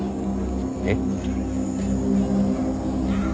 えっ？